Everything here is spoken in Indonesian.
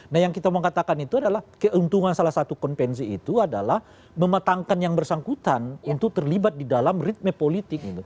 nah yang kita mau katakan itu adalah keuntungan salah satu konvensi itu adalah mematangkan yang bersangkutan untuk terlibat di dalam ritme politik